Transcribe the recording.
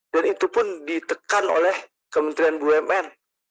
dan itu pun ditekan oleh kementerian bumn